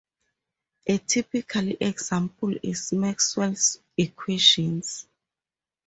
A typical example is Maxwell's equations.